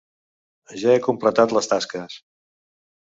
Ja he completat les tasques.